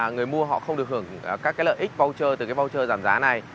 người mua họ không được hưởng các lợi ích voucher từ voucher giảm giá này